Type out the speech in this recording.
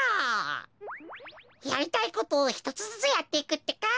やりたいことをひとつずつやっていくってか！